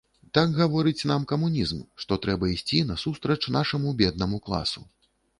Так гаворыць нам камунізм, што трэба ісці насустрач нашаму беднаму класу.